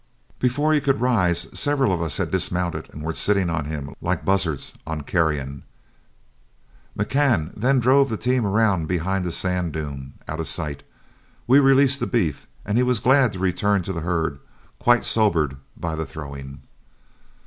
Before he could rise, several of us had dismounted and were sitting on him like buzzards on carrion. McCann then drove the team around behind a sand dune, out of sight; we released the beef, and he was glad to return to the herd, quite sobered by the throwing.